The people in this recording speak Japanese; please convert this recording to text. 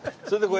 そう。